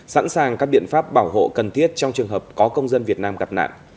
sẵn sàng các biện pháp bảo hộ cần thiết trong trường hợp có công dân việt nam gặp nạn